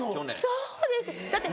そうですだって。